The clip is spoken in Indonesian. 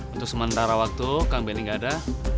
untuk sementara waktu kang benny enggak ada